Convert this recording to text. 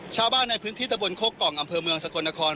ชาวบ้านในพื้นที่ตะบนโคกกล่องอำเภอเมืองสกลนคร